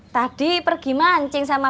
tadi pergi mancing sama